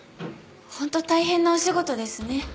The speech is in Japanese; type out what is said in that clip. ホント大変なお仕事ですね。